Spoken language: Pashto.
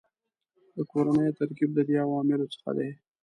د کورنیو ترکیب د دې عواملو څخه دی